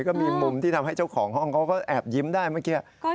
ก็มีมุมที่ทำให้เจ้าของห้องเขาก็แอบยิ้มได้เมื่อกี้